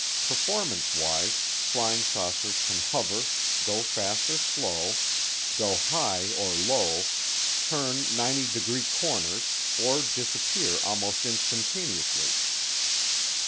Performance wise, flying saucers can hover, go fast or slow, go high or low, turn 90 degree corners, or disappear almost instantaneously.